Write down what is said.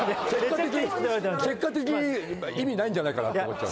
結果的に意味ないんじゃないかなと思っちゃう。